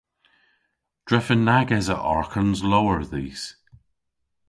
Drefen nag esa arghans lowr dhis.